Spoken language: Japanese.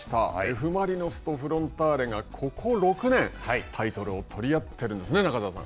Ｆ・マリノスとフロンターレが、ここ６年、タイトルを取り合っているんですね、中澤さん。